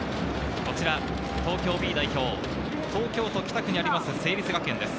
東京Ｂ代表、東京都北区にあります、成立学園です。